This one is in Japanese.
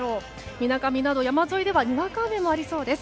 みなかみなど山沿いではにわか雨もありそうです。